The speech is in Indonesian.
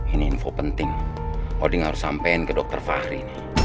ini info penting odin harus sampein ke dokter fahri